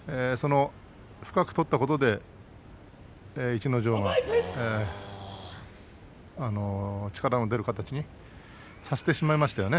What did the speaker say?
深く取ったことで逸ノ城は力が出る形にさせてしまいましたよね。